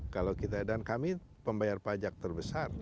kalau kita dan kami pembayar pajak terbesar